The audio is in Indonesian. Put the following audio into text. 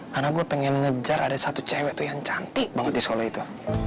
karena gue pengen ngejar ada satu cewek tuh yang cantik banget di sekolah itu